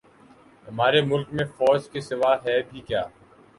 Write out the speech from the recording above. ہمارے ملک میں فوج کے سوا ھے بھی کیا